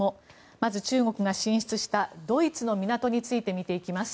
まず、中国が進出したドイツの港について見ていきます。